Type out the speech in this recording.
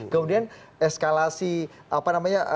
kemudian eskalasi apa namanya